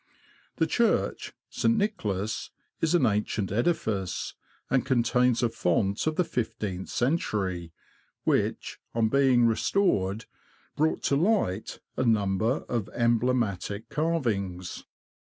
The church (St. Nicholas) is an ancient edifice, and contains a font of the fifteenth century, which, on being restored, brought to light a number of emblematic carvings.